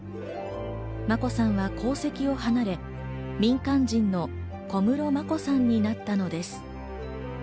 眞子さんは皇籍を離れ、民間人の小室眞子さんになったのです。